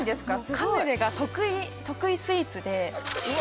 カヌレが得意スイーツでうわ